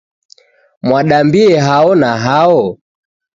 Mwadambie hao na hao?